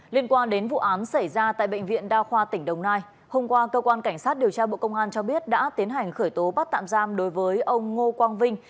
liên quan đến vụ án xảy ra tại bệnh viện đa khoa tỉnh đồng nai hôm qua cơ quan cảnh sát điều tra bộ công an cho biết đã tiến hành khởi tố bắt tạm giam đối với ông ngô quang vinh